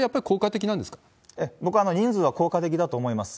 これ、僕は人数は効果的だと思います。